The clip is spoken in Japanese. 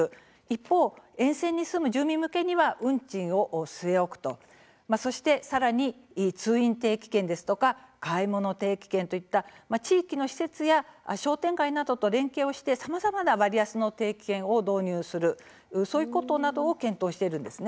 一方、沿線に住む住民向けには運賃を据え置くとそしてさらに通院定期券ですとか買い物定期券といった地域の施設や商店街などと連携をして、さまざまな割安の定期券を導入するそういうことなどを検討しているんです。